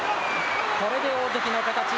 これで大関の形。